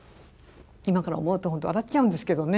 今から思うと本当笑っちゃうんですけどね